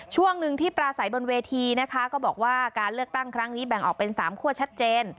ช่วงหนึ่งที่ปราศัยบนเวทีนะคะก็บอกว่าการเลือกตั้งครั้งนี้แบ่งออกเป็น๓คั่วชัดเจน